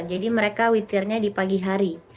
jadi mereka witirnya di pagi hari